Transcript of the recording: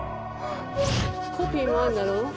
コピーもあんだろ？